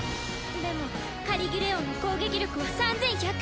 でもカリギュレオンの攻撃力は３１００。